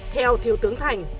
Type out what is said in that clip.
theo thiếu tướng thành